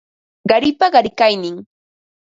Qaripa qarikaynin